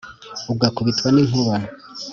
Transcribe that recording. ugakubitwa n’inkuba